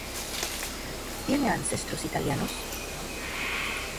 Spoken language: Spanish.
Tiene ancestros italianos.